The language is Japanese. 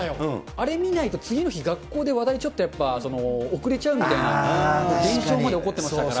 あれ見ないと次の日、学校で話題、ちょっとやっぱ、遅れちゃうみたいな現象まで起こってましたから。